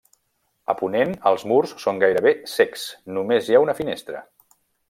A ponent els murs són gairebé cecs, només hi ha una finestra.